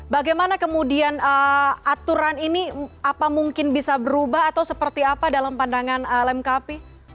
bagaimana kemudian aturan ini apa mungkin bisa berubah atau seperti apa dalam pandangan lemkp